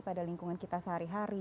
pada lingkungan kita sehari hari